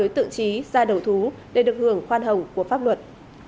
đối tượng trí ra đầu thú để được hưởng khoan hồng của pháp luật